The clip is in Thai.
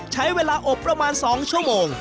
ใช้เวลาอบประมาณ๒ชั่วโมง